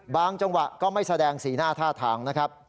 บางจังหวะก็ไม่แสดงสีหน้าท่าทาง